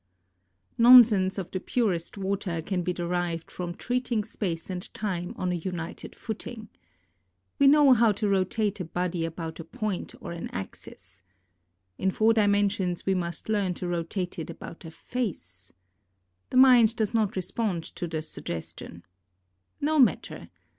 12 ON GRAVITATION Nonsense of thie purest water can be derived from treating space and time on a united footing. We know how to rotate a body about a point or an axis. In four dimensions we must learn to rotate it about a face. The mind does not respond to the suggestion. No matter.